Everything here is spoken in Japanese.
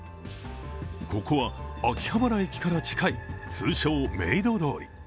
ここは秋葉原駅から近い、通称メイド通り。